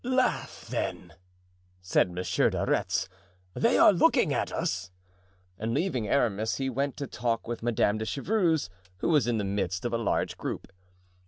"Laugh, then," said Monsieur de Retz; "they are looking at us." And leaving Aramis he went to talk with Madame de Chevreuse, who was in the midst of a large group.